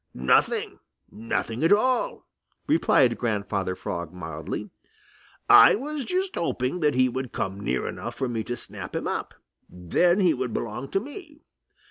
"Nothing, nothing at all," replied Grandfather Frog mildly. "I was just hoping that he would come near enough for me to snap him up; then he would belong to me.